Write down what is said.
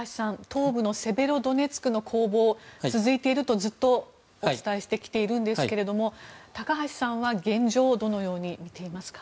東部のセベロドネツクの攻防が続いているとずっとお伝えしてきているんですが高橋さんは現状をどのように見ていますか？